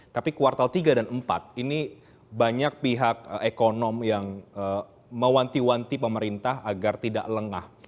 tapi kuartal tiga dan empat ini banyak pihak ekonom yang mewanti wanti pemerintah agar tidak lengah